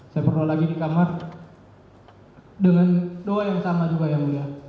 saya perlu lagi di kamar dengan doa yang sama juga yang mulia